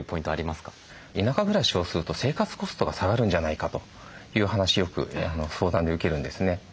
田舎暮らしをすると生活コストが下がるんじゃないかという話よく相談で受けるんですね。